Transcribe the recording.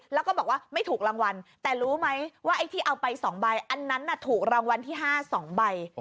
แล้วก็บอกว่าไม่ถูกรางวัลแต่รู้ไหมว่าไอ้ที่เอาไป๒ใบอันนั้นถูกรางวัลที่๕๒ใบ